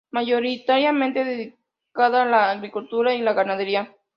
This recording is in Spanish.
Mayoritariamente dedicada a la agricultura y la ganadería.